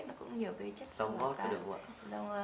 nó cũng nhiều chất sơ hỏa tan